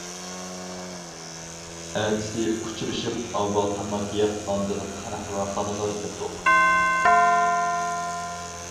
ئەتىسى ئۇچرىشىپ ئاۋۋال تاماق يەپ ئاندىن قەھۋەخانىغا كىردۇق.